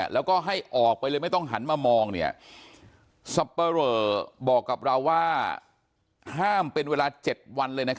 แล้วก็ให้ออกไปเลยไม่ต้องหันมามอง